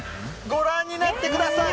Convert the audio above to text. ご覧になってください！